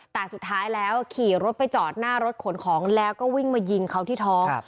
แต่สุดท้ายแล้วขี่รถไปจอดหน้ารถขนของแล้วก็วิ่งมายิงเขาที่ท้อง